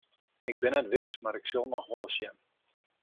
Ik bin net wis mar ik sil noch wolris sjen.